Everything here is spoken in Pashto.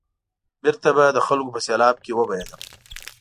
بېرته به د خلکو په سېلاب کې وبهېدم.